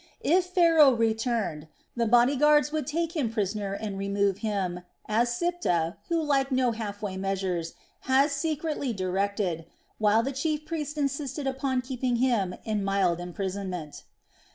If Pharaoh returned, the body guards would take him prisoner and remove him as Siptah, who liked no halfway measures, had secretly directed, while the chief priest insisted upon keeping him in mild imprisonment.